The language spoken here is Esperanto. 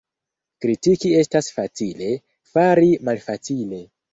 Kritiki estas facile, fari malfacile.